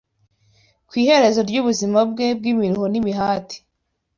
ku iherezo ry’ubuzima bwe bw’imiruho n’imihati,